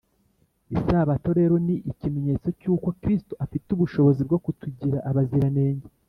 isabato rero ni ikimenyetso cy’uko kristo afite ubushobozi bwo kutugira abaziranenge